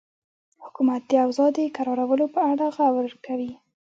حکومت د اوضاع د کرارولو په اړه غور کوي.